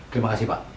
terima kasih pak